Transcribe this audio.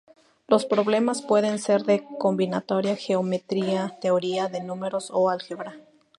Los problemas pueden ser de combinatoria, geometría, teoría de números o álgebra.